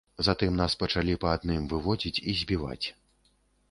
Затым нас пачалі па адным выводзіць і збіваць.